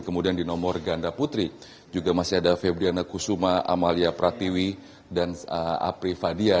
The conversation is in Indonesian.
kemudian di nomor ganda putri juga masih ada febriana kusuma amalia pratiwi dan apri fadia